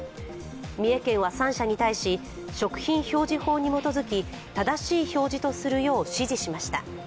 三重県は３社に対し、食品表示法に基づき正しい表示とするよう指示しました。